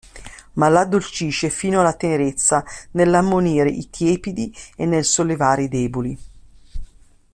Ma l'addolcisce fino alla tenerezza nell'ammonire i tiepidi e nel sollevare i deboli.